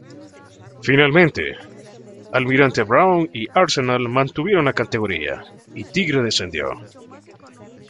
Finalmente, Almirante Brown y Arsenal mantuvieron la categoría y Tigre descendió.